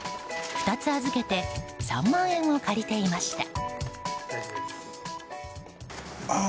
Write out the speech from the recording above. ２つ預けて３万円を借りていました。